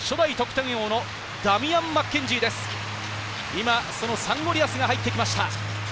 今、サンゴリアスが入ってきました。